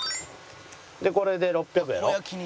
これで６００やろ。